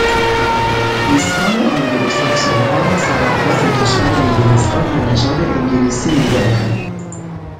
اسکان آنگلوساکسونها را سرآغاز کشور انگلستان و نژاد انگلیسی میدانند